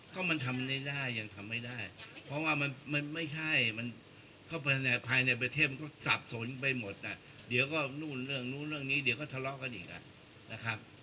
ก็มันทำไม่ได้ยังทำไม่ได้เพราะว่ามันไม่ใช่มันเข้าไปในภายในประเทศมันก็สับสนไปหมดเดี๋ยวก็นู่นเรื่องนู้นเรื่องนี้เดี๋ยวก็ทะเลาะกันอีกนะครับ